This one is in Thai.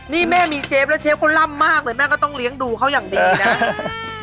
นี่แม่มีเชฟแล้วเชฟเขาล่ำมากเลยแม่ก็ต้องเลี้ยงดูเขาอย่างดีนะ